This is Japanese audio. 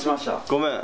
ごめん。